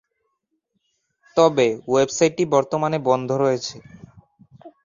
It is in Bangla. তবে, ওয়েবসাইটটি বর্তমানে বন্ধ রয়েছে।